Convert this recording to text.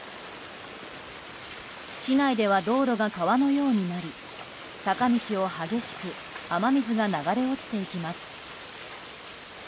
市内では道路が川のようになり坂道を激しく雨水が流れ落ちていきます。